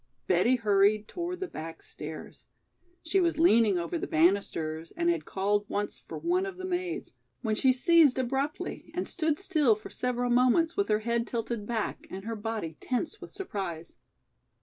Betty hurried toward the back stairs. She was leaning over the banisters and had called once for one of the maids, when she ceased abruptly, and stood still for several moments with her head tilted back and her body tense with surprise.